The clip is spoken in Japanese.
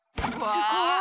すごい。